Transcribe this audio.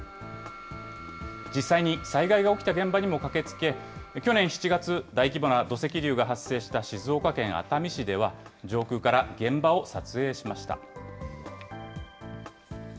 実際に災害が起きた現場にも駆けつけ、去年７月、大規模な土石流が発生した静岡県熱海市では、上空から現場を撮影しました。